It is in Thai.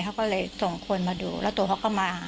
เขาก็เลยส่งคนมาดูแล้วตัวเขาก็มา